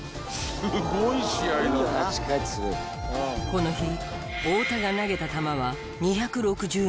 この日太田が投げた球は。